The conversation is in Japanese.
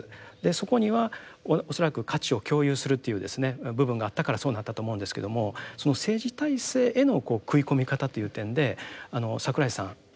そこには恐らく価値を共有するという部分があったからそうなったと思うんですけどもその政治体制への食い込み方という点で櫻井さん。